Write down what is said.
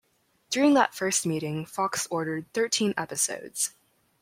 During that first meeting, Fox ordered thirteen episodes.